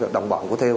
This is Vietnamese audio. đồng bọn của thêu